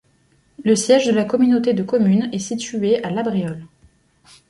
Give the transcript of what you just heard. Le siège de la communauté de communes est situé à La Bréole.